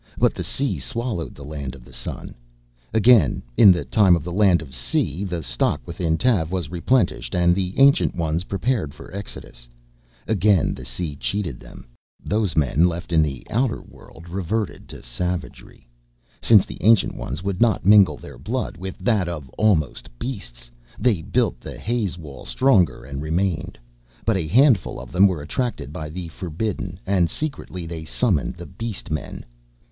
But the sea swallowed the Land of Sun. Again, in the time of the Land of Sea, the stock within Tav was replenished and the Ancient Ones prepared for exodus; again the sea cheated them. "Those men left in the outer world reverted to savagery. Since the Ancient Ones would not mingle their blood with that of almost beasts, they built the haze wall stronger and remained. But a handful of them were attracted by the forbidden, and secretly they summoned the beast men.